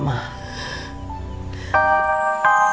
jam berapa sekarang